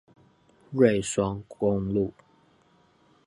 瑞雙公路